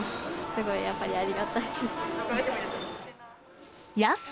すごい、やっぱりありがたいです。